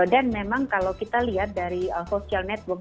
dan memang kalau kita lihat dari social network